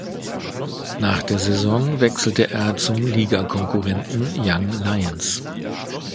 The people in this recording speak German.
Nach der Saison wechselte er zum Ligakonkurrenten Young Lions.